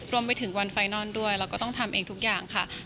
รวมไปถึงวันไฟนอนด้วยเราก็ต้องทำเองทุกอย่างค่ะ